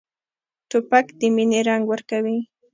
توپک د مینې رنګ ورکوي.